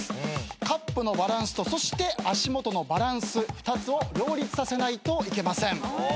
カップのバランスとそして足元のバランス２つを両立させないといけません。